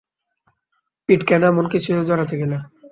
পিট কেন এমন কিছুতে জড়াতে গেল?